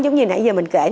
giống như nãy giờ mình kể